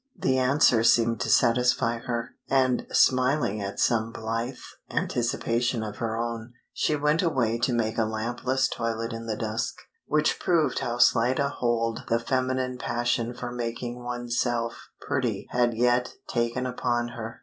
The answer seemed to satisfy her, and smiling at some blithe anticipation of her own, she went away to make a lampless toilet in the dusk, which proved how slight a hold the feminine passion for making one's self pretty had yet taken upon her.